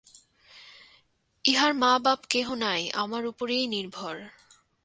ইহার মা-বাপ কেহ নাই, আমার উপরেই নির্ভর।